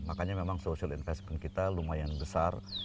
makanya memang social investment kita lumayan besar